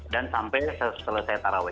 dan sampai selesai taraweh